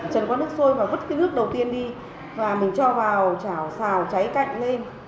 để có nước sôi và đ daar nước đầu tiên đi và mình cho vào chảo xào cháy cạnh lên